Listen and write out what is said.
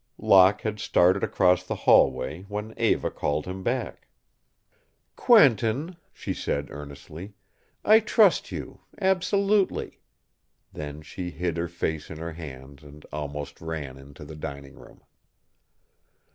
Locke had started across the hallway when Eva called him back. "Quentin," she said, earnestly, "I trust you absolutely." Then she hid her face in her hands and almost ran into the dining room.